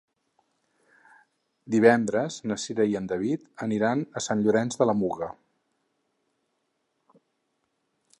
Divendres na Cira i en David aniran a Sant Llorenç de la Muga.